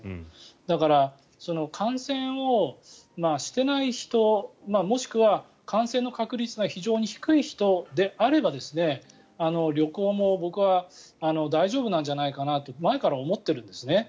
だから、感染をしていない人もしくは感染の確率が非常に低い人であれば旅行も僕は大丈夫なんじゃないかなと前から思っているんですね。